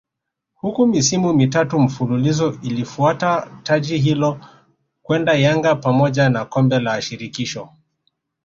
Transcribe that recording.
huku misimu mitatu mfululizo iliyofuata taji hilo kwenda Yanga pamoja na Kombe la Shirikisho